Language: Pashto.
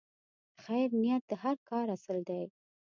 د خیر نیت د هر کار اصل دی.